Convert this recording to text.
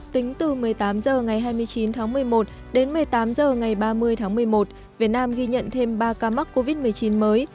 tính từ một mươi tám h ngày hai mươi chín tháng một mươi một đến một mươi tám h ngày ba mươi tháng một mươi một việt nam ghi nhận thêm ba ca mắc covid một mươi chín mới